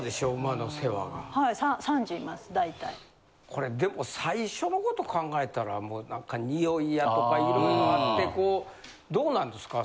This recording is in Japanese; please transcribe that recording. これでも最初のこと考えたらもう何かニオイやとか色々あってこうどうなんですか？